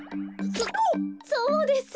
そそうです。